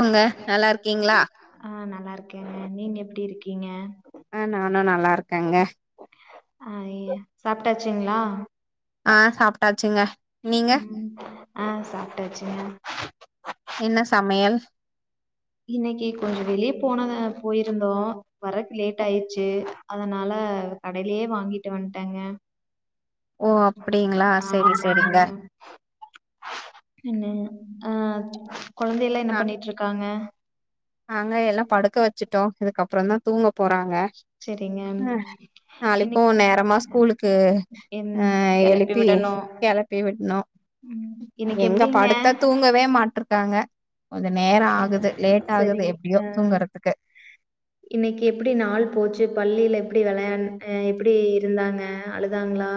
ஆங்க நல்லாருக்கீங்களா நா இருக்கேங்க நீங்க எப்டி இருக்கீங்க ஆஹ் நானு நல்லா இருக்கேங்க அஹ் சாப்ட்டாச்சுங்களா ஆ சாப்ட்டாச்சுங்க நீங்க உம் ஆஹ் சாப்ட்டாச்சுங்க என்ன சமயல் இன்னைக்கு கொஞ்ச வெளிய போனத போயிருந்தோ வறக்கு லேட் ஆயிச்சு அதனால கடையிலயே வாங்கிட்டு வந்ட்டேங்க ஓ அப்டிங்களா ஆ செரி ஆமாங்க செரிங்க என்ன ஆஹ் கொழந்தை எல்லா என்ன நா பண்ணிட்ருக்காங்க நாங்க எல்லா படுக்க வச்சுட்டோ இது க்கப்பற தா தூங்கு போறாங்க செரிங்க அஹ் நாளைக்கு இன்னைக் நேரமா ஸ்கூலுக்கு என் அஹ் கெளப்பி எழுப்பி விடணு கெளப்பி விடணு ம் இன்னைக்கு எங்க எப்டிங்க படுத்தா தூங்கவே மாட்ருக்காங்க கொஞ்ச நேர ஆகுது லேட் சரி ஆகுது எப்டியோ அஹ் தூங்கறதுக்கு இன்னைக்கு எப்படி நாள் போச்சு பள்ளில் எப்படி விளையா அஹ் எப்படி இருந்தாங்க அழுதாங்களா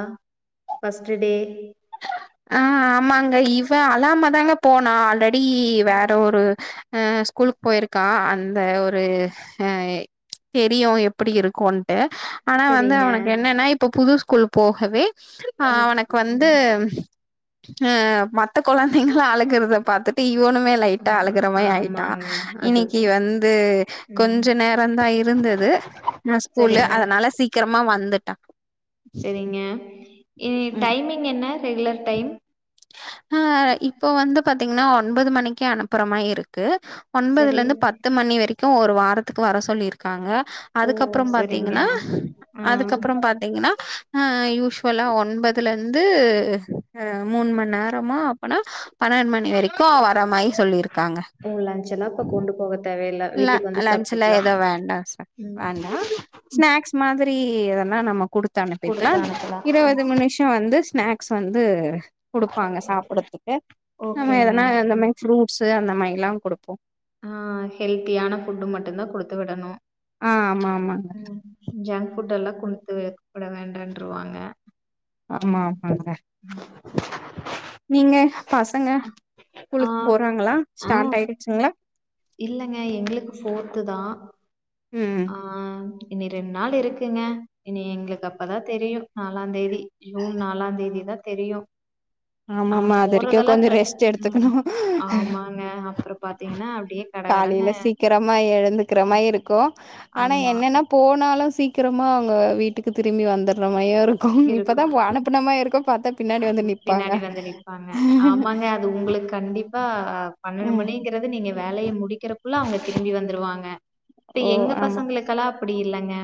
பஸ்ட்டு டே ஆஹ் ஆமாங்க இவ அலாம தாங்க போனா ஆல்ரெ அப்டி வேற ஒரு ஸ்கூலு ஆஹ் போயிருக்கா அந் இந்த ஒரு ஹ தெரியு எப்டி இருக்கும்ட்டு ஆனா வந்து சரிங்க. அவனுக்கு என்னன்னா இப்ப புது ஸ்கூல் போகவே ஓ ஆஹ் அவனக்கு வந்து அஹ் மத்த கொலந்தைங்கலா அழுகுறத பாத்துட்டு இவனுமே அ லைட்டா அழுகுறமே ஆயிட்டா ஆமாங்க. அது. இன்னைக்கு வந்து ம். கொஞ்ச நேரந்தா இருந்தது அஹ் ஸ்கூல்ல சரிங்க, அதனால சீக்கிரமா வந்துட் [unintelligible] சரிங்க இ டைமிங் என்ன ரெகுலர் டைம் ஆஹ் இப்போ வந்து பாத்தி த்தீங்கன்னா ஒன்பது மணிக்கு அனுப்புறமாருக்கு ஒன்பதுல சரி. இருந்து பத்து மணி வரைக் து ஒரு வாரத்துக்கு வர சொல்லியிருக்காங்க ஓ! அதுக்கப்புற சரிங்க. பாத்தீங்கன்னா ஆ. அதுக்கப்புற பாத்தீங்கன்னா ஆ யூஸ்ஷுவலா ஒன்பதுல இருந்து அஹ் மூணு மணி நேரமா அப்பனா பன்னெண்டு மணி வரைக்கு வரமாய் ம் லஞ்ச் எல்லா இப்ப கொண்டு போக தேவையில்ல ல வீட்டுக்கு வந்து லஞ்சலா சாப்ட்டுக்கலாம். ஏது வேண்டா சா ம். வேண்டா ஸ்நாக்ஸ் மாரி சரி எனா நம்ம குடுத்து அனுப்பிக்கலா குடுத்து அனுப்பலாம். இருபது மனுஷ வந்து ஸ்நாக்ஸ் வந்து கொடுப்பாங்க சாப்படுறதுக்கு நம்ம ஓகேங்க. எதனா இந்தந்த மாரி ஃப்ரூட்ஸ் அந்த மாதிரில்லா கொடுப்போ ஆஹ் ஹெல்த்தியான ஃபட்டு மட்டுந்தா கொடுத்து விடணு ஆஹ் ஆமா ஆமாங்க கூட்டெல்லா குடுத்து வைக்கப்பட வேண்டன்றருவாங்க ஆமா ஆமாங்க நீங்க பசங்க ஆ கூலுக்கு போறாங்களா ஆ ஸ்டார்ட் ஆயிடுச்சுங்களா இல்லங்க எங்களுக்கு போஃர்த்து தா ம் ஆஹ் இனி ரெண் நாள் இருக்குங்க இனி எங்களுக்கு அப்பதா தெரியு நாலாந் தேதி ஜூன் நாலாந் தேதிதா தெரியு ஆனா ஆமாமா அது வரைக்கு போறதெல்லா கொஞ்சோ ப்ர ரெஸ்ட் ம் எடுத்துக்கணு ஆமாங்க அப்புற பாத்தீங்கன்னா அ காலையில சீக்கிரமா எழுந்துக்கிற மா ருக்கு ஆனா ஆமா என்னென்ன போனா னா சீக்கிரமா அவங்க வீட்டுக்கு திரும்பி வந்துடுற மய இருக்கு இப்பதா அனுப்பனமாய்ருக்கு பாத்த பின்னாடி வந்து நிப்பாங்க ஆமாங்க அது உங்களுக்கு கண்டிப்பா பன்னெண்டு ம். மணிங்கறது நீங்க வேலைய முடிக்கிறக்குள்ள அவங்க திரும்பி வந்துருவாங்க இப்ப ஓ எங்க ஆமா பசங்களுகலா அப்படி இல்லங்க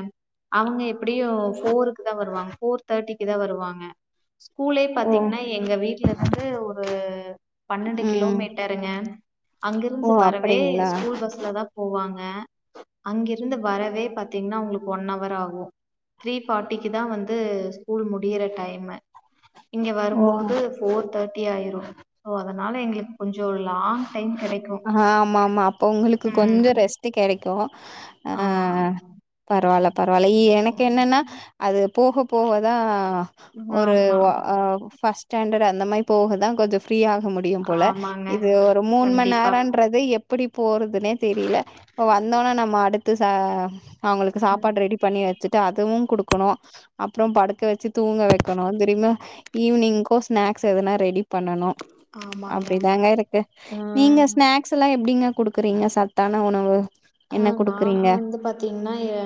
அவங்க எப்படியு போருக்கு தா வருவாங்க போர் தேட்டிக்கு தா வருவாங்க கூலே ஓ பாத்தீங்ன்னா எங்க வீட் இது வந்து ஒரு பண்ணண்டு ம் கிலோமீட்டருங்க ஓ அங்கிருந்து வரவே அப்படிங்களா ஸ்கூல் பஸ்ல தா போவாங்க அங்கிருந்து வரவே பாத்தீங்னா உங்களுக்கு ஒன்னவர் ஆகு த்ரீ ஃபாட்டிக்கு தா வந்து ஸ்கூல் முடியிற டைமு இங்க ஓ வரும்போது ஃபோர் தே ட்டி ஆயிரு சோ அதனால எங்களுக்கு கொஞ்ச லாங் டைம் கெடைக்கு ஆ ஆமா ஆமா அப்போ உங்களுக்கு ம் கொஞ்ச ரெஸ்ட் கெடைக்கு ஆ ஆ பரவால்ல பரவால்ல எனக்கு என்னன்னா அது போக போக தா ஒரு ஆமா ஆ ஃபஸ்ட் ஸ்டாண்டட் அந்த மாரி போகுதா கொஞ்ச ஃப்ரீயா முடியு போல ஆமாங்க இது மூண் மண் கண்டிப்பா நேரன்றது எப் எப்படி போறத் தெனே தெரியில வந்தோனா நம்ம அடுத் த்து ச அவுங்களுக்கு சாப்பாடு ரெடி பண்ணி வச்சிட்டு அதுவு குடுக் குனு அப்புறம் படுக்க வச்சு தூங்க வெக்கணு தெரியுமா ஈவினிங்கு ஸ்னாக்ஸ் எதுனா ரெடி பண்ணணு ஆமாங்க அப்படிதாங்க இருக்கு நீங்க ஆ ஸ்நாக்ஸ் எல்லாம் எப் எப்டிங்க குடுக்குறீங்க சத்தான உணவு ஆ என்ன நா குடுக்குறீங்க வந்து பாத்தீங்கன்னா எ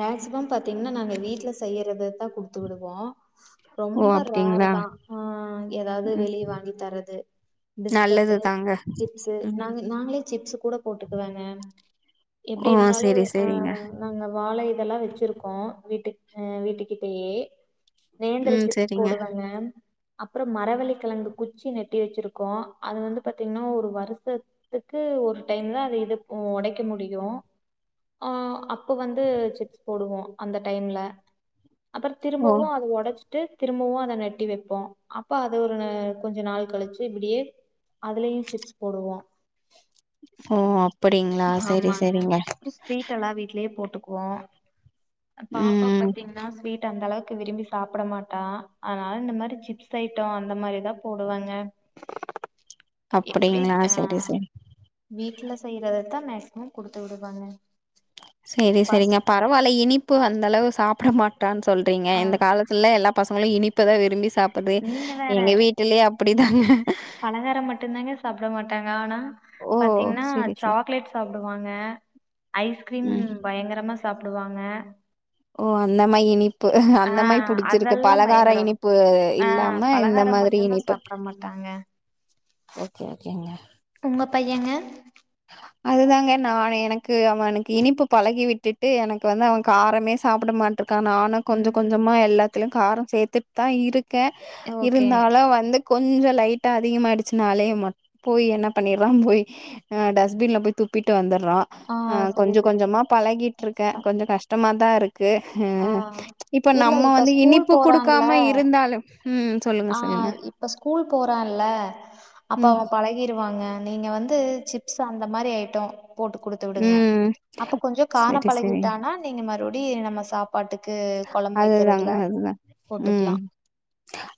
மேக்சிமம் பாத்தீங்கன்னா நாங்க வீட்ல செய்யறது த குடுத்து விடுவோ ஓ ரொம்ப ரேரு அப்டிங்களா தா ஆ ஏதாவது ம் வெளியே வாங்கி தரது நல்லது பிஸ்கட்டு தாங்க. சிப்ஸு ம். நாங் நாங்களே சிப்ஸ் கூட போட்டுக்குவங்கே எப்டி ஓ இருந்தாலு சரி, அ சரிங்க. நாங்க வா வாழ இதெல்லா வச்சிருக்கோ வீட்டு அ வீட்டுக்கிட்டயே நேந்தர ம் சிப்ஸ் சரிங்க. போடுவங்க அப்றோ மரவள்ளி கெழங்கு குச்சி நட்டி வச்சிருக்கோ அது வந்து பாத்தீங்னா ஒரு வருஷத்துக்கு ஒரு டைம் தா அது இது போ ஒடை க முடியு ஆ அப்ப வந்து சிப்ஸ் போடுவோ அந்த டைம்ல அப்ற ஓ திரும்பவு அது ஒடச் டு திரும்பவு அத நட்டி வப்போ அப்ப அது ஒரு கொஞ்சோ நாள் கழிச்சு இப்டியே அதுலயு சிப்ஸ் போடுவோ ஆ அப் ஆமாங்க ஸ்வீட் எல்லா வீட்லியே போட்டு [unintelligible] பாப்பா ம். பாத்தீங்கன்னா ஸ்வீட் ட அந்த அளவுக்கு விரும்பி சாப்பிட மாட்டா அதனால இந்த மாரி சிப்ஸ் ஐட்டம் அந்த மாரிதா போடுவங்க அப்டிங்களா சரி சரி வீட்ல செய்ற தா மேக்சிமம் குடுத்து விடுவங்க சரி சரிங்க பரவால்ல இனிப்பு அந்த அளவு சாப்பிட மாட்டா சொல்றீங்க ஆ இந்த காலத்துல எல்லா பசங்களு இனி ப்புதா விரும்பி சாப்பட்றது நீங்க வேற எங்க வீட்லயே அப்டிதாங்க டாங்க ஆனா பாத்தீங்கன்னா சரி. சாக்லேட் சாப்பிடுவாங்க ஐஸ்க்ரீம் ம். பயங்கரமா சாப்டுவாங்க ஓ அந்த மாரி இனி ப்பு ஆ அந்த மாரி புடிச்சிருக்கு அதெல்லாம் பலகார பயங்கரம். இனிப்பு ஆ இல்லாம இந்த பலகாரம் மாதிரி மட்டுந்தான் இனிப்பு சாப்ட மாட்டாங்க. உங்க பையங்க? அதுதாங்க நான் எனக்கு அவனுக்கு இனிப்பு பழகி விட் டுட்டு எனக்கு வந்து அவ காரமே சாப்டமாட் கா நானு கொஞ்ச ம். கொஞ்சமா எல்லா த்தில காரோ சேத்துட்டு தா இரு க்கே ஓகே. இருந்தாலு வந்து கொஞ்ச லைட்டா அதிகமயிடுச்சுனாலே ம போய் என்ன பண்ணிறான் போய் ஆ டஸ்பின்ல போய் துப்பிட்டு வந்த ர்றா ஆ அ சரி கொஞ்ச சரி. கொஞ்சமா பழகிட்ருக்கே ப கொஞ்ச கஷ்டமா தா இரு க்கு ஆ இப்ப இல்ல நம்ம இப்ப வந்து இனிப்பு குடுக்காம இருந்தாலு ஆஹ் இப்ப ஸ்கூல் போறான்ல அப்ப ம், அவன் பழகிருவாங்க நீங்க வந்து சிப்ஸ் அந்த மாரி ஐட்டம் போட்டு குடுத்து விடுங்க ம். அப்ப கொஞ்ச கார சரி, சரிங்க. பழகிட்டானா நீங்க மறுப டி நம்ம சாப்பாட்டுக் அதுதாங்க அதுதா உம் போட்டுக்கலா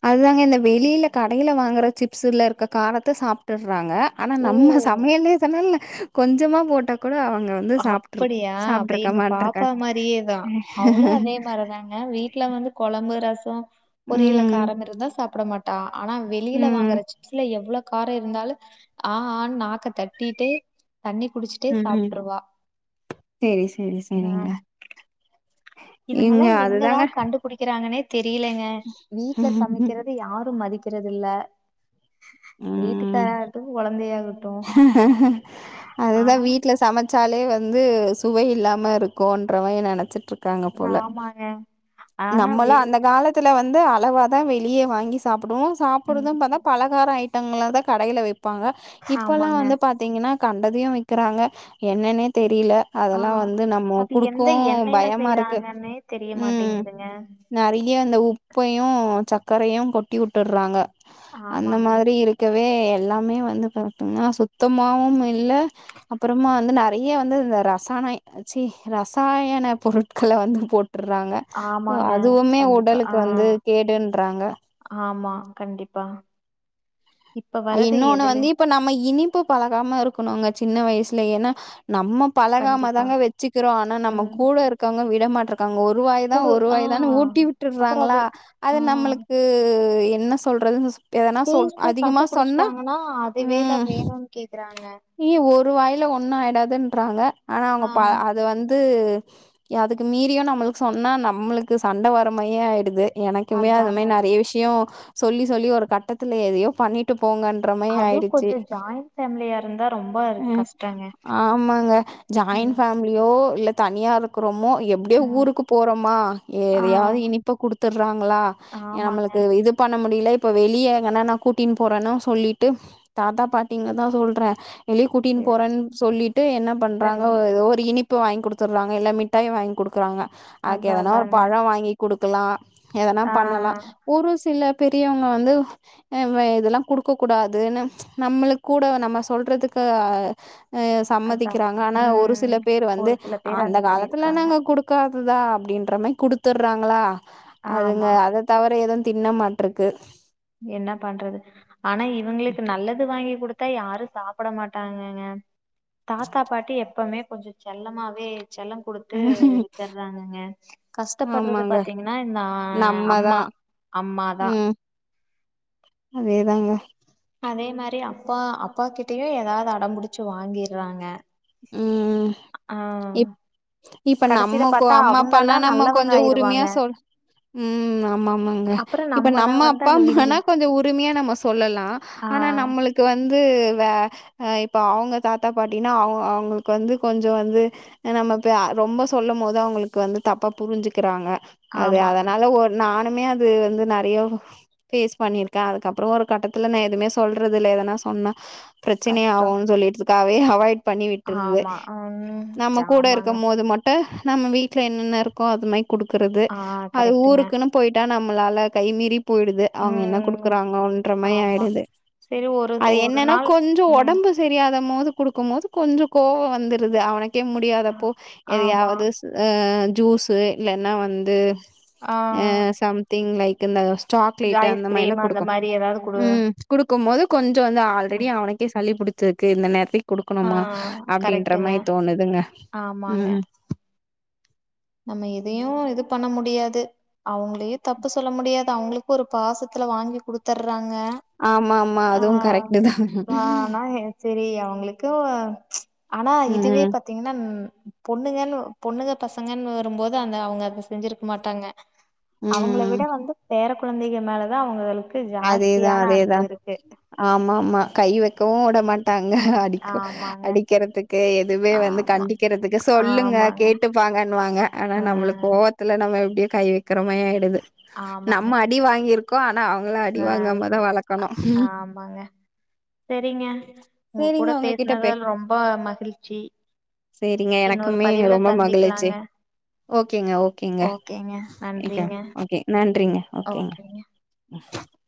துதாங்க இந்த வெளில கடயில வாங்கற சிப்ஸ்ல இருக்க காரத்த சாப்பிட்டுறாங்க ஆனா ஓ நம்ம சமயலே தன்னான கொஞ்சமா போட்டக்க கூட அவுங்க வந்து சாப்பிட்டுரு அப்படியா அப்ப சாப்பிட்ருக்க எங்க மாட்டாக்கா வரதாங்க வீட்ல வந்து கொழம் பு ரசோ பொரியல்ல காரோ ம். இருந்துருந்தா சாப்ட மாட் தா ஆனா வெளியில ம். வாங்குற சிப்ஸ்ல எவ்ளோ கார இருந்தாலூ ஆ ஆன் நாக்க தட்டிட்டு தண்ணி குடிச்சிட்டு சாப் செரி செரி செரிங்க இவுங்கல்லா எங்கதா கண்டு புடிக்கிறாங்கன்னே தெரியிலங்க வீட்ல சமைக்கறத யாரு மதி க்கறதில்ல ம் கொழந்தையாகட்டு அததுதா ஆனா வீட்டுல சமச் சாலே வந்து சுவை இல்லாம இருக்குன்ற மாரி நெனைச்சிட்டுருக் ஆமாங்க ஆனா நம்மளா வெளி அந்த காலத்து ல வந்து அளவா தா வெளியே வாங்கி சாப்பி டுவோ ம் சாப்பிறது பாத்த பலகார ஐ டங்களா தா கடையில வெப் பாங்க இப்பெல்லா ஆமாங்க வந்து பாத்தீங்கனா கண் எதெயு விக்கிறாங்க என்னனே தெரிய தில ஆ அதெல்லா வந்து நம்ம அது எந்த குடுக்கவு எண்ணெய்ல பயமா இருக்கு செய்யறாங்கன்னே தெரிய ம் மாட்டேங்குதுங்க நெறய அந்த உப் பையு சக்கரையு கொட்டி வுட்டுறாங்க அந்த ஆமாங்க மாரி இருக்கவே எல்லாமே வந்து பாத்தம்னா சுத்தமாவு இல்ல அப்புறமா வந்து நெறய வந்து இந்த ரசானை சி ரசாயன பொருட்கள வந்து போட் றாங்க ஆமாங்க அதுவுமே கண்டிப்பா உடலுக்கு ஆ வந்து கேடுன்றாங்க ஆமா கண்டிப்பா இப்ப அ வரது இன்னொன்னு எதுல வந்து இப்ப நம்ம இனிப்பு பழகாம இருக்கணுங்க சின்ன வயசுல ஏனா நம்ம பழகாம கண்டிப்பா தாங்க வச்சுக்கிறோ ஆனா நம்ம ம் கூட இருக்கவங்க விட மாட்ட காங்க ஒ ருவாய் தா குடு ஆ ஒருவாய் தா ஊட்டி அப்புறம் விட்டுறாங்களா அது ஆ அது நம்மளுக்கு என்ன சொல்றது எதனா சொல் டேஸ்ட் அதிகமா [unintelligible] கண்டுபிடிச்சிட்டாங்கன்னா உம் அதுவேதான் வேணும்னு கேக்குறாங்க அய்ய ஒரு வாயில ஒண்ணு ஆயிடாது ன்றாங்க ஆனா அவங்க ஆ பா அது வந்து அதுக்கு மீறியு நம்மளுக்கு சொன்னா நம்மளுக்கு சண்ட வர மாரியே ஆயிடுது எனக்குமே அது அதாங்க மாரி நெறைய விஷ்யோ சொல்லி சொல்லி ஒரு கட்டத்துல எதையோ பண்ணி போங்கன்ற மாரி அது ஆயிடுச்சு கொஞ்சம் ஜாயிண்ட் ஃபேமிலியா இருந்தா ரொம்ப ம் கஷ்டங்க ஆமாங்க ஜாயண்ட் ம் ஃபேம்லியோ இல்ல தனியா இருக்கிறமோ எப்டியோ ம் ஊருக்கு போறோமா ஆ எதையாவது இனிப்ப குடுத்துறாங்கலா ஆமாங்க நம்மளுக்கு இது பண்ண முடியல இப்ப வெளியே எங்கன்னா கூட்டின் போறேன்னா சொல்லிட்டு தாத்தா பாட்டிங்கதா சொல்றே வெளிய கூட்டின் போறேன் சொல்லிட்டு என்ன பண்றாங்க சரிங்க எதோ ஒரு இனிப் ப வாங்கி குடுத்துட்றாங்க இல்ல மிட்டாய வாங்கி குடுக்குறாங்க அதுக்கு அதா எதனா ஒரு அதாங்க பழ வாங்கி குடுக் கிலா எல்லாமை ஆ பண்ணலா ஒரு சில பெரியவங்க வந்து ஆ வெ இதெல்லா குடுக்க கூடாதுன்னு நம்மளு கூட நம்ம சொல்றதுக்கு அ அதா சம்மதிக்கிறாங்க ஆனா ஒரு ம் சில பேர் ஒரு வந்து சில பேர் அந்த மாரி காலத்துல இருக்காங்க நாங்க குடுக்காத தா அப்படின்ற மாரி குடுத்துட்றாங்களா அதுங்க ஆமா அத தவிர எதும் தின்ன மாட்ருக்கு என்ன பண்றது ஆனா இவங்களுக்கு நல்லது வாங்கி கொடுத்தா யாரும் சாப்பிட மாட்டாங்கங்க தாத்தா பாட்டி எப்பமே கொஞ்ச செல்லமாவே செல்லம் குடுத்து வெச்சடுறாங்கங்க கஷ்டப்படுறது ஆமாங்க பாத்தீங்கன்னா இந்த நம்மதா அம்மா அம்மாதா ம் அதேதாங்க அதே மாரி அப்பா அப்பா கிட்டயு ஏதாது அடம்புடிச்சு வாங்கிறாங்க ஆஹ் ப்ப நம்ம அம்மா அப்பானா நம்ம நல்லவங்க கொஞ்சம் உரிமையா ஆயிருவாங்க சொல் உம் ஆமா ஆமாங்க அப்றோ இப்ப நம்மதா நம்ம வந்து அப்பா அங்க வில்லி அம்மனா கொஞ்சம் உரிமையா நம்ம சொல்லலாம் ஆ ஆனா நம்மளுக்கு வந் து வ இப்ப அவங்க தாத்தா பாட்டினா அவ ங்களுக்கு வந்து கொஞ்சம் வந்து நம்ம ரொம்ப சொல்லும் போோது அவங்களுக்கு வந்து தப்பா புரிஞ்சிக்கிறாங்க அது ஆமாங்க. அதனால ஒரு நானு மே அது வந்து நிறைய ஃபேஸ் பண்ணிருக்கேன் அதுக்கப்புறம் ஒரு கட்டத்துல நான் எதுவுமே சொல்றது இல் எதனா சொன்னா பிரச்சனை கஷ்டம். ஆகும்னு சொல்லிட்டு [unintelligible] வே அவாய்ட் பண்ணி விட்றுவே ஆமா. ம் நம்ம கூட ஆமாங்க. இருக்கும் போது மட்டும் நம்ம வீட்ல என்னென்ன இருக்கோ அது மாதிரி கொடுக்குறது ஆ அது கரெக்ட்டுங்க. ஊருக்குன்னு போயிட்டா நம் மலால கைமீறிப் போயிடுது அவங்க என்ன ம் கொடுக்குறாங்கன்ற மாதிரி ஆமா. ஆயிடுது சரி ஒரு அது ஒரு என்னன்னா நாள் கொஞ்சம் ம் உடம்பு சரியாத போது கொடுக்கும் போது கொஞ்சம் கோவம் வந்துருது அவனுக் கே அ முடியாதப்போ ஆமா. எதையாவது ஹ ஜூஸு இல்லைன்னா வந்து ஆ அஹ் சம்திங் லைக் [unintelligible] இந்த சாக்லேட் அந்த ஐஸ்கிரீம் மாரிலாம் அந்த குடுக்கும் மாரி ஏதாவது குடு ம் குடுக்கும் போது கொஞ்சம் வந்து ஆல்ரெடி ம் அவனுக்கே சளி பிடிச்ச ருக்கு இந்த நேரத்திக் ஆ குடுக்கணுமா? அப்படின்ற கரெக்ட்டுங்க. மாரி தோணுதுங்க ஆமாங்க ம் நம்ம எதையும் இது பண்ண முடியாது அவங்களையே தப்பு சொல்ல முடியாது அவங்களுக்கு ஒரு பாசத்துல வாங்கி குடுத்தர்றாங் க ஆமா ஆமா ஆ அதுவு கரெக்ட்டு தா ஆ ஆனா செரி உங்களுக்கு ஆனா இதுவே ம் பாத்தீங்கன்னா பொண்ணுங்க பொண்ணுங்கத் ங்கன்னு வரும்போது அங்க அவங்க அத செஞ்சிருக்க மாட்டாங்க அவங்கள ம் விட வந்து பேரக் குழந்தைங்க மேல தான் அவங்களுக் அதேதான் அதேதான் ஆமாமா கை வைக்கவும் உட மாட்டாங்க அடிக்க ஆமாங்க அடிக்கிறதுக்கு எதுவே வந்து ஆமா கண்டிக்கிறதுக்கு சொல்லுங்க ஆமாங்க கேட்டுப்பாங்கன்னுவாங்க ஆனா ஆ நம்மளுக் கோவத்துல நம்ம எப்டி கை கிறமையாயிடுது ஆமாங்க நம்ம அடி வாங்கிருக் கு ஆனா அவுங்கலா ஆ ஆமாங்க செரிங்க உங்க கூட சரிங்க உங்ககிட்ட பே பேசுனதில ரொம்ப மகிழ்ச்சி சரிங்க இன்னொரு எனக்குமே பதிவில ரொம்ப மகிழ்ச்சி. சந்திக்கலாங்க ஓகேங்க ஓகே நன்றிங்க ஓகேங்க ஹம் [inaudible]